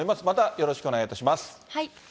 またよろしくお願いいたします。